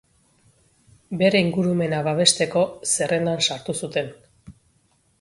Bere ingurumena babesteko zerrendan sartu zuten.